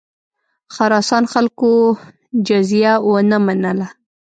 خراسان خلکو جزیه ونه منله.